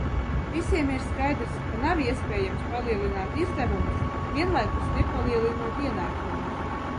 Visiem ir skaidrs, ka nav iespējams palielināt izdevumus, vienlaikus nepalielinot ienākumus.